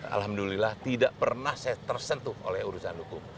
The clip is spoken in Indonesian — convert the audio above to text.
alhamdulillah tidak pernah saya tersentuh oleh urusan hukum